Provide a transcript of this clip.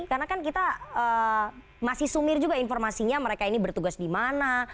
karena kan kita masih sumir juga informasinya mereka ini bertugas di mana